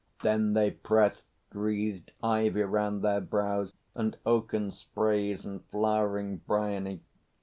Then they pressed Wreathed ivy round their brows, and oaken sprays And flowering bryony.